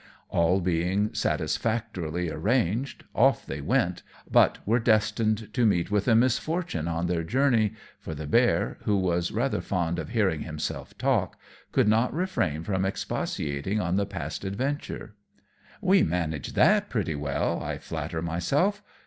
All being satisfactorily arranged, off they set, but were destined to meet with a misfortune on their voyage; for the bear, who was rather fond of hearing himself talk, could not refrain from expatiating on the past adventure. "We managed that pretty well, I flatter myself.